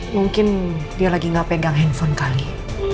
mungkin dia lagi nggak pegang handphone kali